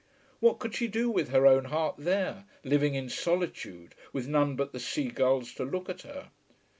What could she do with her own heart there, living in solitude, with none but the sea gulls to look at her?